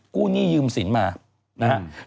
กู้หนี้ยืมสินมานะฮะ